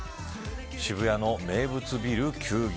渋谷の名物ビュー休業。